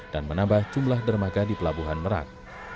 dan menambah jumlah dermaga di pelabuhan merak